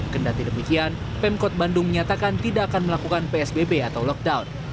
kendati demikian pemkot bandung menyatakan tidak akan melakukan psbb atau lockdown